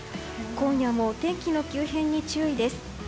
今夜も天気の急変に注意です。